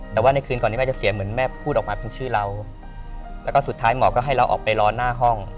แต่ว่าในคืนก่อนนี้แม่จะเสียเหมือนแม่พูดออกมาเป็นชื่อเราแล้วก็สุดท้ายหมอก็ให้เราออกไปรอหน้าห้อง